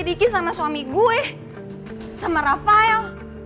gue udah melidiki sama suami gue sama rafael